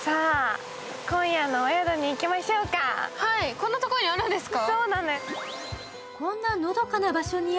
こんなところにあるんですか？